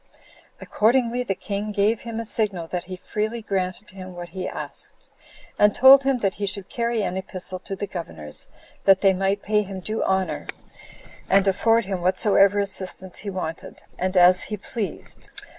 Accordingly, the king gave him a signal that he freely granted him what he asked; and told him that he should carry an epistle to the governors, that they might pay him due honor, and afford him whatsoever assistance he wanted, and as he pleased.